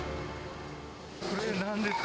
これなんですか？